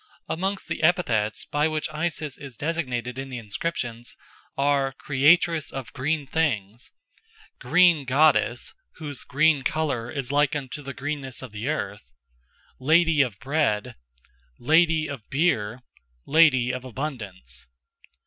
Amongst the epithets by which Isis is designated in the inscriptions are "Creatress of green things," "Green goddess, whose green colour is like unto the greenness of the earth," "Lady of Bread," "Lady of Beer," "Lady of Abundance."